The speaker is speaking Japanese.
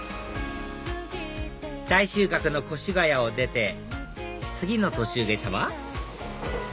大収穫の越谷を出て次の途中下車は？